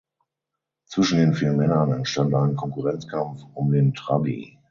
Zwischen den vier Männern entsteht ein Konkurrenzkampf um den Trabi.